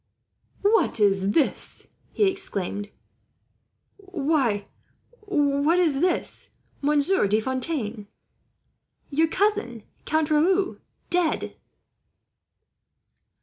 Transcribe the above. "What is this?" he exclaimed. "Why, what is this, Monsieur De Fontaine? Your cousin, Count Raoul, dead!"